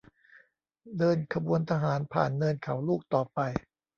เดินขบวนทหารผ่านเนินเขาลูกต่อไป